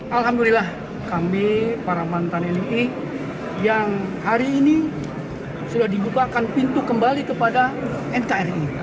alhamdulillah kami para mantan nii yang hari ini sudah dibukakan pintu kembali kepada nkri